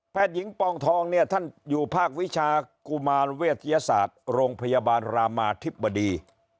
หญิงปองทองเนี่ยท่านอยู่ภาควิชากุมารเวทยศาสตร์โรงพยาบาลรามาธิบดี